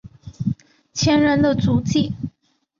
前人的足迹